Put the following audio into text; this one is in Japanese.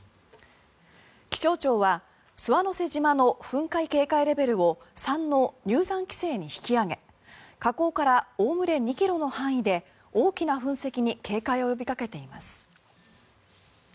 気象庁は諏訪之瀬島の噴火警戒レベルを３の入山規制に引き上げ火口からおおむね２ｋｍの範囲で大きな噴石に警戒を呼びかけています。